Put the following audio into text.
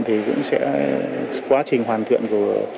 thì cũng sẽ quá trình hoàn thiện của